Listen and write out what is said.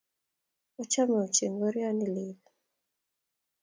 achame ochei ngorioni leel